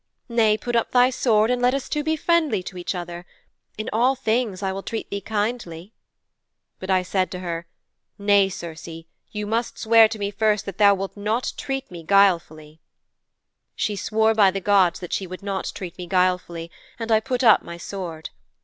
Nay, put up thy sword and let us two be friendly to each other. In all things I will treat thee kindly."' 'But I said to her, "Nay, Circe, you must swear to me first that thou wilt not treat me guilefully."' 'She swore by the gods that she would not treat me guilefully, and I put up my sword.